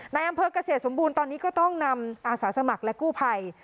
ในอำเภอกเกษตรสมบูรณ์ตอนนี้ก็ต้องนำอาสาสมัครและกู้ภัย